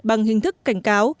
bằng hình thức cảnh cáo